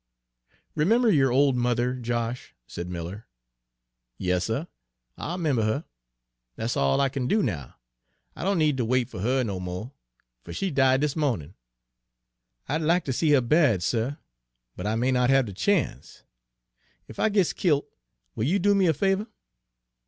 "Remember your old mother, Josh," said Miller. "Yas, sub, I'll 'member her; dat's all I kin do now. I don' need ter wait fer her no mo', fer she died dis mo'nin'. I'd lack ter see her buried, suh, but I may not have de chance. Ef I gits killt, will you do me a favor?"